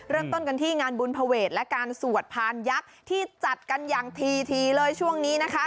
เริ่มต้นกันที่งานบุญภเวทและการสวดพานยักษ์ที่จัดกันอย่างทีเลยช่วงนี้นะคะ